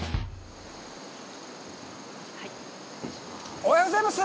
おはようございます。